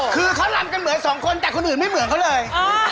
คือเขารำกันเหมือนสองคนแต่คนอื่นไม่เหมือนเขาเลย